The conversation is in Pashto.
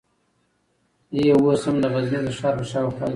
یې اوس هم د غزني د ښار په شاوخوا